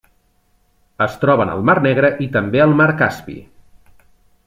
Es troben al Mar Negre i també al Mar Caspi.